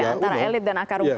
ya antara elit dan akar umum